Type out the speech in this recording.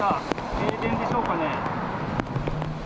停電でしょうかね。